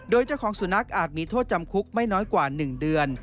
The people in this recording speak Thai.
โดยเจ้าของสุนัขอาจมีโทษจำคุกไม่น้อยกว่า๑เดือน